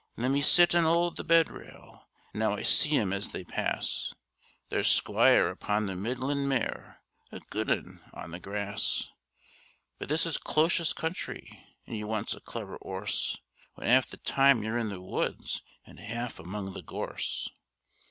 Let me sit an' 'old the bedrail! Now I see 'em as they pass: There's Squire upon the Midland mare, a good 'un on the grass; But this is closish country, and you wants a clever 'orse When 'alf the time you're in the woods an' 'alf among the gorse.